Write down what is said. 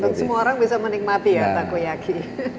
untuk semua orang bisa menikmati ya takoyaki